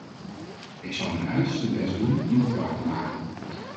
Ik zal mijn uiterste best doen om dat waar te maken.